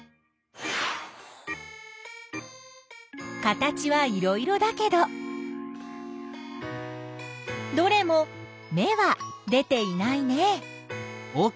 形はいろいろだけどどれも芽は出ていないね。